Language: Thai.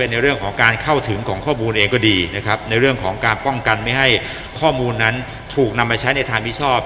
ในเรื่องของการเข้าถึงของข้อมูลเองก็ดีนะครับในเรื่องของการป้องกันไม่ให้ข้อมูลนั้นถูกนำมาใช้ในทางมิชอบ